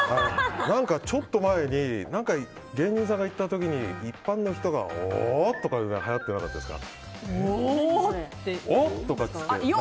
ちょっと前に芸人さんが言った時に一般の人がお！とか言うのはやってなかったですか？